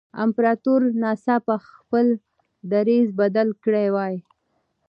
امپراتور ناڅاپه خپل دریځ بدل کړی وای.